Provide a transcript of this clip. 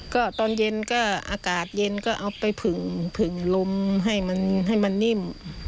ก็ตอนเย็นก็อากาศเย็นก็เอาไปผึ่งผึ่งลมให้มันให้มันนิ่ม